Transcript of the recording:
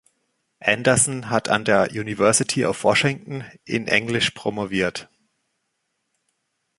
Anderson hat an der University of Washington in Englisch promoviert.